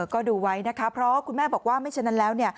ก็ดูไว้นะคะเพราะคุณแม่บอกว่าไม่ฉะนั้นแล้ว